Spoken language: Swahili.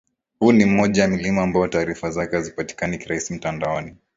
Huu ni mmoja ya milima ambayo taarifa zake hazipatikani kirahisi mtandaoni